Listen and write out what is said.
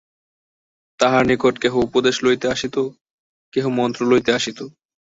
তাঁহার নিকটে কেহ উপদেশ লইতে আসিত, কেহ মন্ত্র লইতে আসিত।